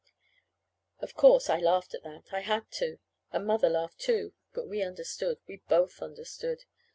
Of course, I laughed at that. I had to. And Mother laughed, too. But we understood. We both understood.